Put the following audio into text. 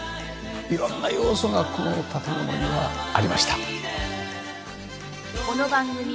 色んな要素がこの建物にはありました。